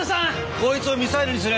こいつをミサイルにする。